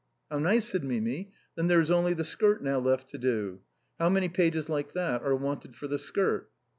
" How nice," said Mimi ;" then there is only the skirt now left to do. How many pages like that are wanted for the skirt?"